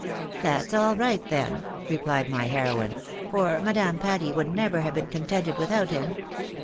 " That's all right then," replied my heroine, " for Madame Patty would never have been contented without him.